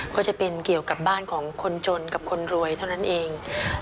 ก็จะเป็นเกี่ยวกับบ้านของคนจนกับคนรวยเท่านั้นเอง